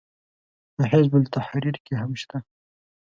په حزب التحریر کې هم شته.